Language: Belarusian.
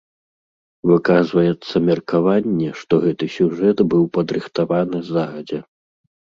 Выказваецца меркаванне, што гэты сюжэт быў падрыхтаваны загадзя.